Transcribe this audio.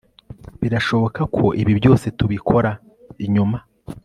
birashoboka ko ibi byose tubikora inyuma